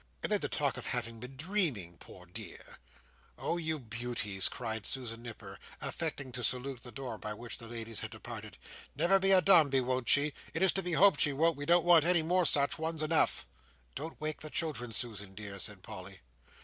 "And then to talk of having been dreaming, poor dear!" said Polly. "Oh you beauties!" cried Susan Nipper, affecting to salute the door by which the ladies had departed. "Never be a Dombey won't she? It's to be hoped she won't, we don't want any more such, one's enough." "Don't wake the children, Susan dear," said Polly.